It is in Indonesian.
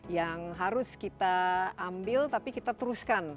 yang harus kita ambil tapi kita teruskan